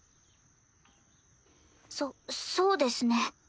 そそうですね。